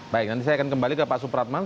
baik nanti saya akan kembali ke pak supratman